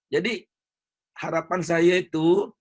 jadi harapan saya itu